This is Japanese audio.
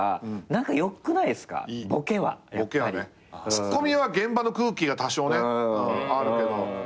ツッコミは現場の空気が多少ねあるけど。